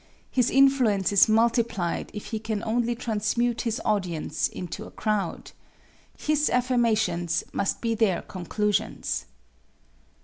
His influence is multiplied if he can only transmute his audience into a crowd. His affirmations must be their conclusions.